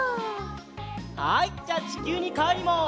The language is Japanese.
はいじゃちきゅうにかえります。